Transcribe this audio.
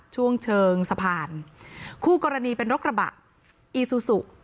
ช่วงเชิงสะพานคู่กรณีเป็นรถกระบะอีซูซู